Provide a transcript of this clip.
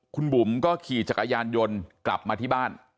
คุณบุ๋มก็ขี่จักรยานยนต์กลับมาที่บ้าน